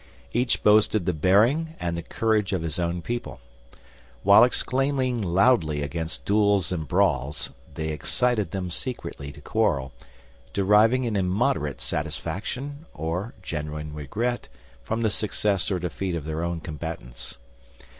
Each boasted the bearing and the courage of his own people. While exclaiming loudly against duels and brawls, they excited them secretly to quarrel, deriving an immoderate satisfaction or genuine regret from the success or defeat of their own combatants.